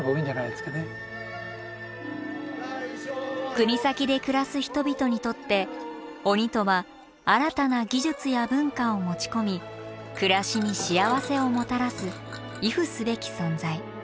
国東で暮らす人々にとって鬼とは新たな技術や文化を持ち込み暮らしに幸せをもたらす畏怖すべき存在。